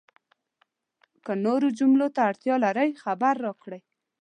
که نورو جملو ته اړتیا لرئ، خبر راکړئ!